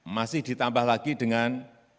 masih ditambah lagi dengan